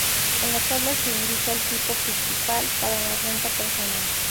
En la tabla se indica el tipo principal para la renta personal.